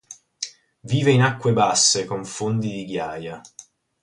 Vive in acque basse con fondi di ghiaia.